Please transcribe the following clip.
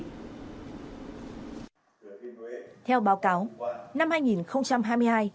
theo báo cáo năm hai nghìn hai mươi hai